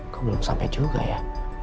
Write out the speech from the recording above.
kok belum sampai juga ya